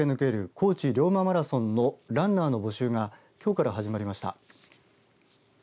高知龍馬マラソンのランナーの募集がきょうから始まりました。